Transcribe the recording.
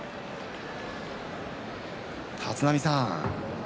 立浪さん